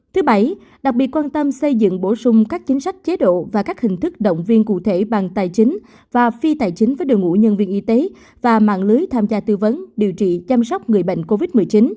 thứ bảy đặc biệt quan tâm xây dựng bổ sung các chính sách chế độ và các hình thức động viên cụ thể bằng tài chính và phi tài chính với đội ngũ nhân viên y tế và mạng lưới tham gia tư vấn điều trị chăm sóc người bệnh covid một mươi chín